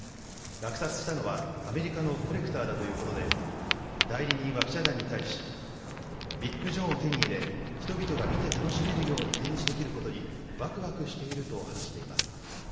落札したのは、アメリカのコレクターだということで、代理人は記者団に対し、ビッグ・ジョンを手に入れ、人々が見て楽しめるように展示できることに、わくわくしていると話しています。